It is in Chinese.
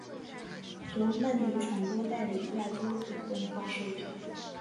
由曼迪传播代理亚洲总动画授权。